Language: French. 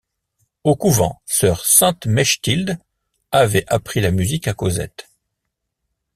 Au couvent, sœur Sainte-Mechtilde avait appris la musique à Cosette.